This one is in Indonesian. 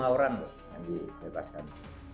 tiga puluh lima orang yang dibebaskan